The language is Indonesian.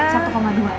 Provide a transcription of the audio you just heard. satu koma dua